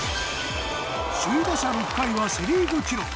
首位打者６回はセ・リーグ記録。